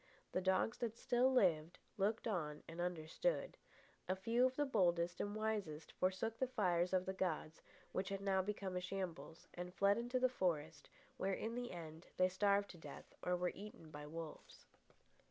The dogs that still lived, looked on and understood. A few of the boldest and wisest forsook the fires of the gods, which had now become a shambles, and fled into the forest, where, in the end, they starved to death or were eaten by wolves.